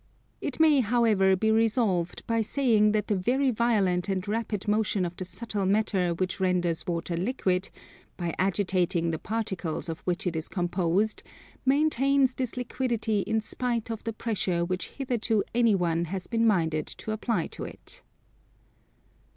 It may, however, be resolved by saying that the very violent and rapid motion of the subtle matter which renders water liquid, by agitating the particles of which it is composed, maintains this liquidity in spite of the pressure which hitherto any one has been minded to apply to it.